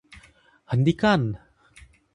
Hentikan!